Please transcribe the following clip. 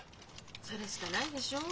それしかないでしょう？